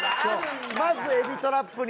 まずエビトラップに。